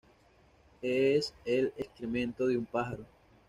Es el excremento de un pájaro.